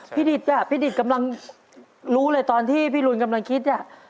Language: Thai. พี่ดิจกำลังรู้เลยตอนที่พี่รุนกำลังคิด